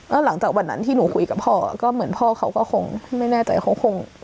แล้วหลังจากวันนั้นที่หนูคุยกับพ่อก็เหมือนพ่อเขาก็คงไม่แน่ใจเขาคง